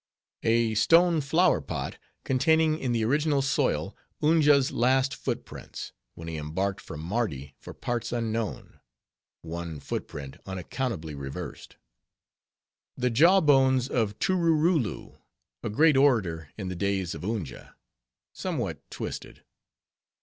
A stone Flower pot, containing in the original soil, Unja's last footprints, when he embarked from Mardi for parts unknown. (One foot print unaccountably reversed). The Jaw bones of Tooroorooloo, a great orator in the days of Unja. (Somewhat twisted).